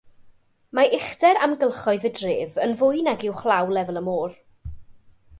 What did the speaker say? Mae uchder amgylchoedd y dref yn fwy nag uwchlaw lefel y môr.